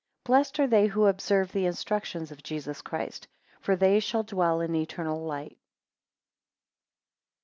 20 Blessed are they who observe the instructions of Jesus Christ; for they shall dwell in eternal light.